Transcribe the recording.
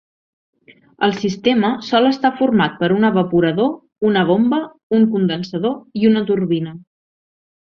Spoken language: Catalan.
El sistema sol estar format per un evaporador, una bomba, un condensador i una turbina.